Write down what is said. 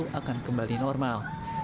sehingga kembali normal